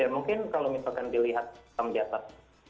ya mungkin kalau misalkan dilihat tamjatar